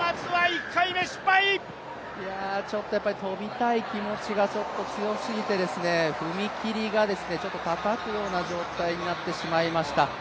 ちょっと跳びたい気持ちが強すぎて踏み切りがたたくような状態になってしまいました。